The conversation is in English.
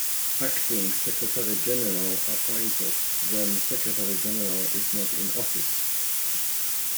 Acting Secretary-general appointed when Secretary-general is not in office.